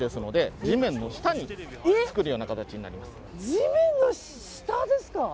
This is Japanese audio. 地面の下ですか。